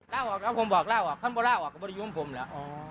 แล้วผมบอกคุณบอกว่าเขาไม่ได้อยู่กับผมแล้ว